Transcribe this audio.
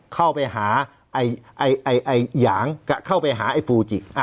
เข้าไปหาไอ้ไอ้ไอ้ไอ้หยางกะเข้าไปหาไอ้ฟูจิอ่ะ